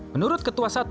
menurut ketua satu